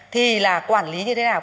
thì là quản lý như thế nào